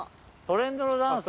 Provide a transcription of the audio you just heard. レンドのダンス。